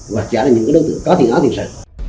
hoặc trả lời những đối tượng có thiền án thiền sự